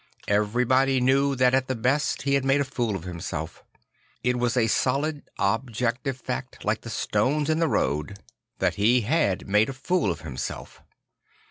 Everybody knew that at the best he had made a fool of himself. It was a solid 0 bj ecti ve fact, like the stones in the road, F 82 St. Francis of Assisi that he had made a fool of himself.